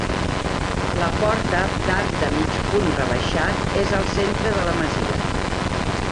La porta, d'arc de mig punt rebaixat, és al centre de la masia.